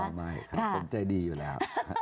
อ้าวไม่คนใจดีอยู่แล้ว